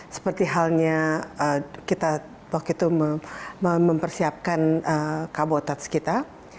seperti halnya kita waktu itu mempersiapkan kabotas kita